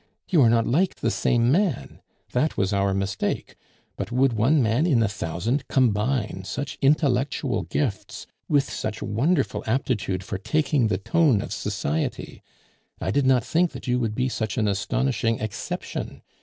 You are not like the same man. That was our mistake. But would one man in a thousand combine such intellectual gifts with such wonderful aptitude for taking the tone of society? I did not think that you would be such an astonishing exception.